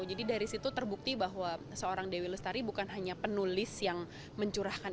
jadi dari situ terbukti bahwa seorang dewi lestari bukan hanya penulis yang mencurahkan